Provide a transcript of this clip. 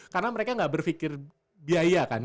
karena mereka gak berfikir biaya kan